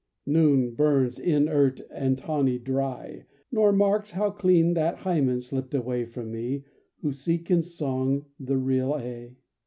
_ Noon burns inert and tawny dry, Nor marks how clean that Hymen slipped away From me who seek in song the real A.